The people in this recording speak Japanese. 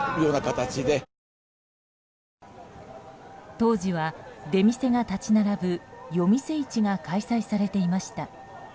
当時は、出店が立ち並ぶ夜店市が開催されていました。